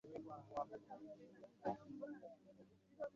kwa hivo itamjibu sawa nitamjibu